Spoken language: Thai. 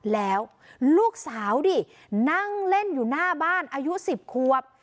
แล้วลูกสาวดินั่งเล่นอยู่หน้าบ้านอายุ๑๐ควบ